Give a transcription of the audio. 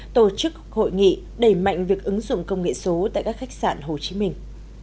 tổ chức hội nghị đẩy mạnh việc ứng dụng công nghệ số tại các khách sạn hồ chí minh